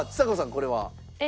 これは？